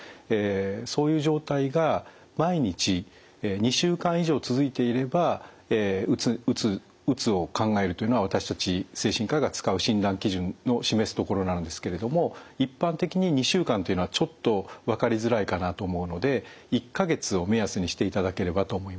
そういう状態が毎日２週間以上続いていればうつを考えるというのは私たち精神科医が使う診断基準の示すところなんですけれども一般的に２週間というのはちょっと分かりづらいかなと思うので１か月を目安にしていただければと思います。